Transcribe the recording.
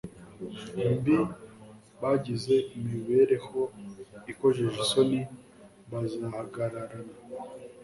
mbi bagize imibereho ikojeje isoni bazahagararana